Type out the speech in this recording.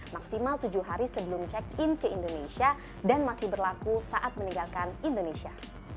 maksimal tujuh hari sebelum check in ke indonesia dan masih berlaku saat meninggalkan indonesia